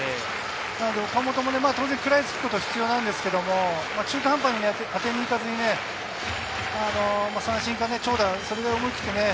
岡本も当然食らいつくことが必要なんですけど、中途半端に当てにいかずに三振か長打、それで思い切ってね。